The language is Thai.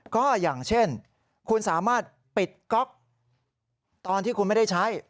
ก็อย่างเช่นคุณสามารถปิดก๊อกตอนที่คุณไม่ได้ใช้